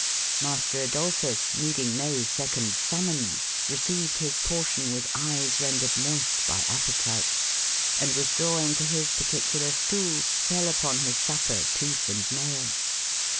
Master Adolphus, needing no second summons, received his portion with eyes rendered moist by appetite, and with drawing to his particular stool, fell upon his supper tooth and nail.